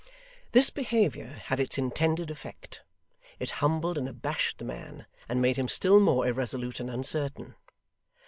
This behaviour had its intended effect. It humbled and abashed the man, and made him still more irresolute and uncertain.